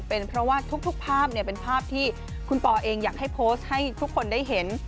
เป็นเพราะว่าทุกภาพเป็นภาพที่คุณปอเองอยากให้โพสต์ให้ทุกคนได้เห็น